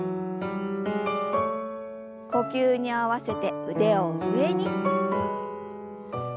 呼吸に合わせて腕を上に。